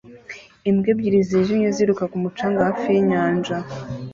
imbwa ebyiri zijimye ziruka ku mucanga hafi yinyanja